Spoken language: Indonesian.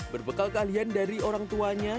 berbekal keahlian dari orang tuanya